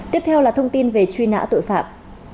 tiếp theo là thông tin về truy nã tội phạm